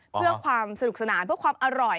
เพื่อความสนุกสนานเพื่อความอร่อย